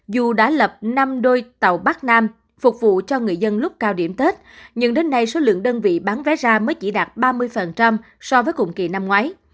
dù đã lập năm đôi tàu bắc nam phục vụ cho người dân lúc cao điểm tết nhưng đến nay số lượng đơn vị bán vé ra mới chỉ đạt ba mươi so với cùng kỳ năm ngoái